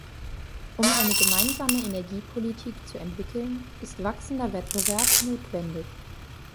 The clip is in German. Um eine gemeinsame Energiepolitik zu entwickeln, ist wachsender Wettbewerb notwendig.